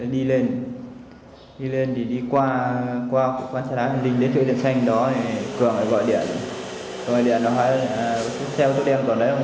đi lên đi lên thì đi qua xe lá hồn ninh đến chỗ điện thanh đó cường gọi điện gọi điện nó hỏi là xe ô tô đen còn ở đấy không